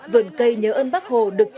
vườn cây nhớ ơn bác hồ được trồng